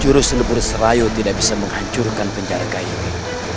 jurus lebur serayu tidak bisa menghancurkan penjara kayap ini